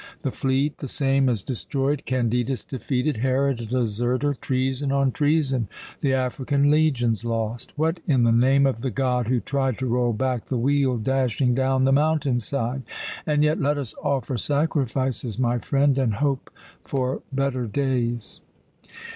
The fleet the same as destroyed, Candidus defeated, Herod a deserter, treason on treason the African legions lost! What in the name of the god who tried to roll back the wheel dashing down the mountain side! And yet! Let us offer sacrifices, my friend, and hope for better days!"